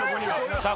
さあ